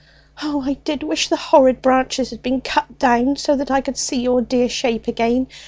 O, I did wish the horrid bushes had been cut down, so that I could see your dear shape again!